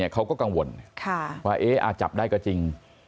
เขาก็กังวลว่าเอ๊ะอาจจับได้ก็จริง